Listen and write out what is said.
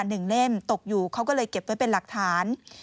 เล่มตกอยู่เขาก็เลยเก็บไว้เป็นหลักฐาน